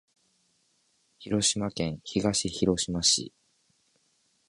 広島県東広島市